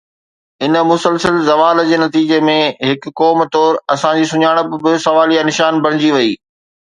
ان مسلسل زوال جي نتيجي ۾ هڪ قوم طور اسان جي سڃاڻپ به سواليا نشان بڻجي وئي